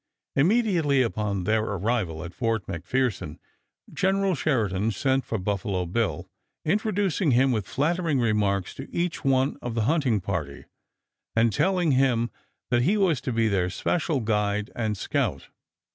Immediately upon their arrival at Fort McPherson General Sheridan sent for Buffalo Bill, introducing him with flattering remarks to each one of the hunting party and telling him that he was to be their special guide and scout.